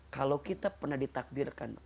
kalau kita pernah ditakdirkan